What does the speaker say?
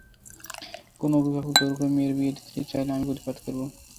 কোনো অভিভাবক জোর করে মেয়ের বিয়ে দিতে চাইলে আমি প্রতিবাদ করব।